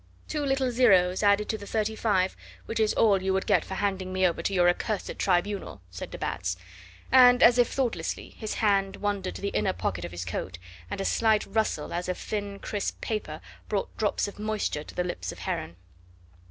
"Two little zeros added to the thirty five, which is all you would get for handing me over to your accursed Tribunal," said de Batz, and, as if thoughtlessly, his hand wandered to the inner pocket of his coat, and a slight rustle as of thin crisp paper brought drops of moisture to the lips of Heron.